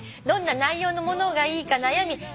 「どんな内容のものがいいか悩み